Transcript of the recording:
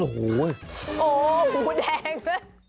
โอ้โหหูแดง